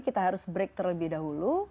kita harus break terlebih dahulu